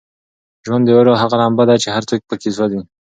ژوند د اور هغه لمبه ده چې هر څوک پکې سوزي.